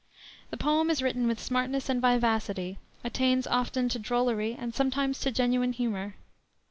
The poem is written with smartness and vivacity, attains often to drollery and sometimes to genuine humor.